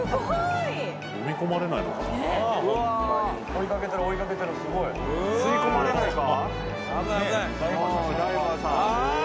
うわ追いかけてる追いかけてるすごい吸い込まれないか？